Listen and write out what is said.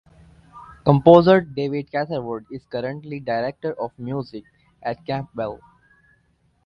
Composer David Catherwood is currently director of music at Campbell.